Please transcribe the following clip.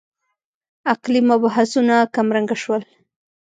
عقلي مبحثونه کمرنګه شول.